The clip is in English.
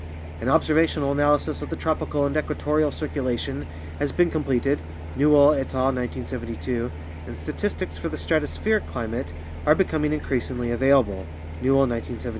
An observational analysis of the tropical and equatorial circulation has been completed (Newell et al., 1972), and statistics for the strato spheric climate are becoming increasingly available (Newell, 1972).